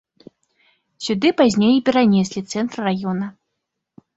Сюды пазней і перанеслі цэнтр раёна.